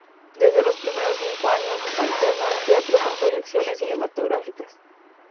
Desde los primeros años, alternó el teatro con proyecciones cinematográficas.